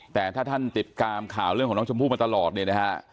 แต่ถ้าท่านติดตามข่าวเรื่องของน้องชมพู่มาตลอดเนี่ยนะฮะ